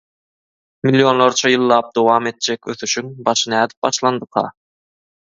Millionlarça ýyllap dowam etjek ösüşiň başy nädip başlandyka?